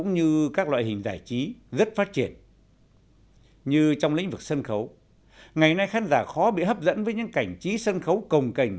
như trong lĩnh vực sân khấu ngày nay khán giả khó bị hấp dẫn với những cảnh trí sân khấu cồng cảnh